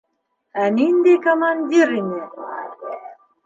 Ә ниндәй командир ине!